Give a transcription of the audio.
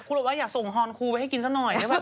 คุณบอกว่าอย่าส่งฮอนครูไว้ให้กินสักหน่อยไม่โลก